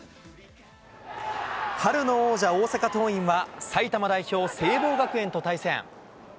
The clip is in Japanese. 春の王者、大阪桐蔭は埼玉代表、聖望学園と対戦。